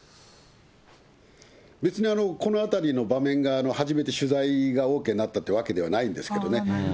別にこのあたりの場面が、初めて取材がＯＫになったというわけではないんですけどね。